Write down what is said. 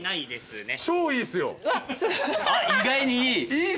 意外にいい！